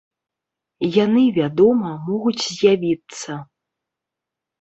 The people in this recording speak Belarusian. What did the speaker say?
Яны, вядома, могуць з'явіцца.